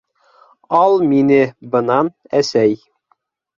Ал мине бынан, әсәй!